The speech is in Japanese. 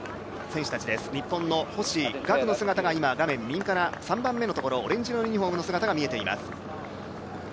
日本の選手、星岳の姿が画面右から３番目のところオレンジ色のユニフォームの姿が見えています。